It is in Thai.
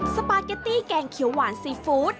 สปาเกตตี้แกงเขียวหวานซีฟู้ด